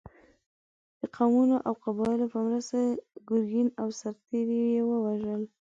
د قومونو او قبایلو په مرسته ګرګین او سرتېري یې ووژل.